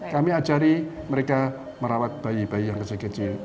kami ajari mereka merawat bayi bayi yang kecil kecil